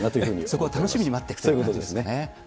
そこを楽しみに待っていくとそういうことですね。